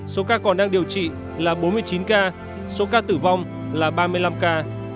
số ca còn đang điều trị là bốn mươi chín ca số ca tử vong là ba mươi năm ca